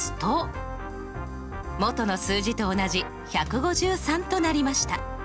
元の数字と同じ１５３となりました。